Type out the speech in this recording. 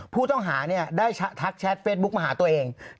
ผู้ต้องหาได้ทักแชทเฟสบุ๊กมาหาตัวเอง